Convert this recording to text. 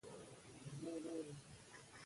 موږ به تر پایه پورې وفادار پاتې شو.